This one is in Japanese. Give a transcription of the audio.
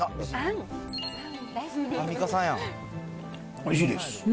おいしいです。